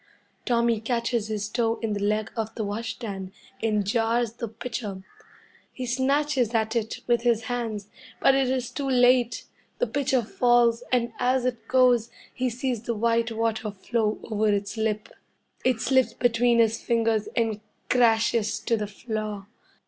Tommy catches his toe in the leg of the wash stand, and jars the pitcher. He snatches at it with his hands, but it is too late. The pitcher falls, and as it goes, he sees the white water flow over its lip. It slips between his fingers and crashes to the floor.